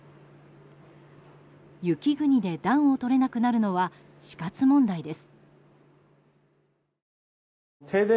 雪国で暖をとれなくなるのは死活問題です。